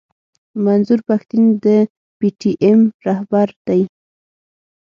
منظور پښتين د پي ټي ايم راهبر دی.